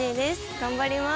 頑張ります。